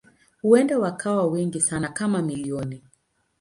Huenda wakawa wengi sana kama milioni.